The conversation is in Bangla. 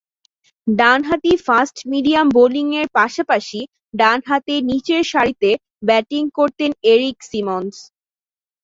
ডানহাতি ফাস্ট-মিডিয়াম বোলিংয়ের পাশাপাশি ডানহাতে নিচেরসারিতে ব্যাটিং করতেন এরিক সিমন্স।